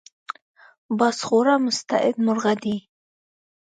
باز خورا مستعد مرغه دی